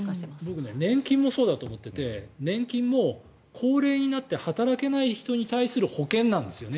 僕年金もそうだと思っていて年金も、高齢になって働けない人に対する保険なんですね。